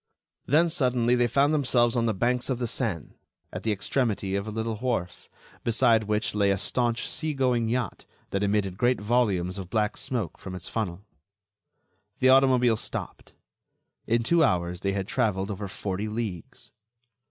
Then, suddenly, they found themselves on the banks of the Seine, at the extremity of a little wharf, beside which lay a staunch sea going yacht that emitted great volumes of black smoke from its funnel. The automobile stopped. In two hours they had traveled over forty leagues.